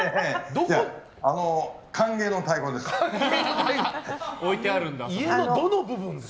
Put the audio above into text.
歓迎の太鼓です。